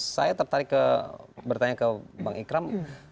saya tertarik bertanya ke bang ikram